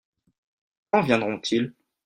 Quand viendront-ils ?